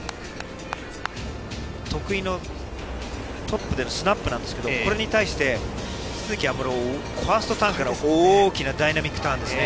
得意のトップでのスナップなんですけど、これに対して、都筑有夢路はファーストターンから大きなダイナミックターンですね。